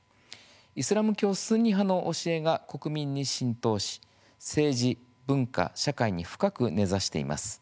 イスラム教スンニ派の教えが国民に浸透し政治、文化、社会に深く根ざしています。